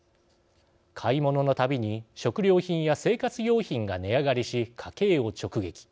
買い物のたびに食料品や生活用品が値上がりし家計を直撃。